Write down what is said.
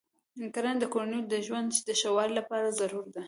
کرنه د کورنیو د ژوند د ښه والي لپاره ضروري ده.